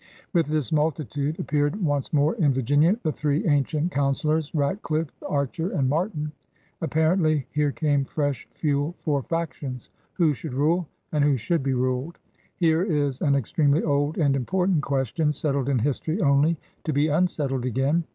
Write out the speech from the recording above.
'' With this multitude appeared once more in Virginia the three ancient councilors — Ratdiffe, Archer, and Martin. Apparently here came fresh 62 PIONEERS OF THE OLD SOUTH fuel for factions. YHio should rule, and who should be ruled? Here is an extremely old and important question, settled in history only to be unsettled again.